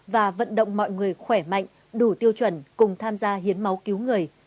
và vận động mọi người khỏe mạnh đủ tiêu chuẩn cùng tham gia hiến máu cứu người